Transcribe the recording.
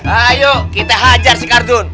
ayo kita hajar si kardun